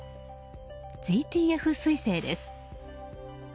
ＺＴＦ彗星です。